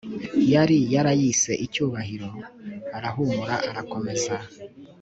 yari yarayise icyubahiro, arahumura arakomeza